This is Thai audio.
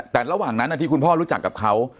แต่ระหว่างนั้นที่คุณพ่อรู้จักกับเขา